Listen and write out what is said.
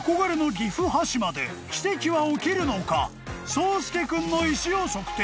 ［颯介君の石を測定］